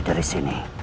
lagi dari sini